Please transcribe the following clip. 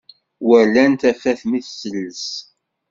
Walan tafat mi tselles